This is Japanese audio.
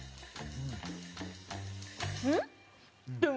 うん？